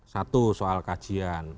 satu soal kajian